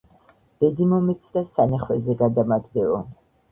ბედი მომეც და სანეხვეზე გადამაგდეო.